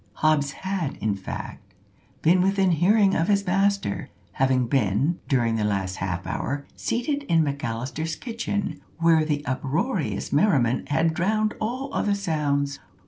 Hobbs had, in fact, been within hearing of his master, having been, during the last half hour, seated in McAllister's kitchen, where the uproarious merriment had drowned all other sounds.